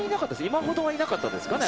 今ほどはいなかったですね。